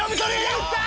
やった！